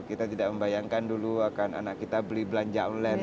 kita tidak membayangkan dulu akan anak kita beli belanja online